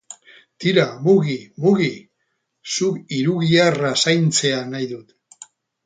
Tira, mugi, mugi, zuk hirugiharra zaintzea nahi dut.